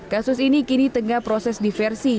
kasus ini kini tengah proses diversi